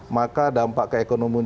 maka dampak keekonomun